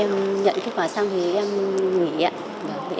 em nhận kết quả xong thì em nghỉ